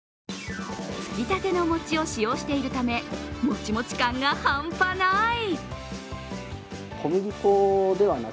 つきたての餅を使用しているため、もちもち感がハンパない。